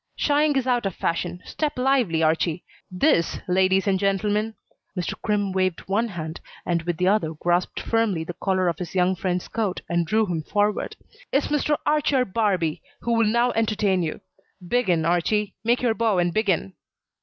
Shying is out of fashion. Step lively, Archie. This, ladies and gentlemen " Mr. Crimm waved one hand and with the other grasped firmly the collar of his young friend's coat and drew him forward, "is Mr. Archer Barbee, who will now entertain you. Begin, Archie. Make your bow and begin."